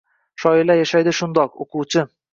Shoirlar yashaydi shundoq. O’quvchi!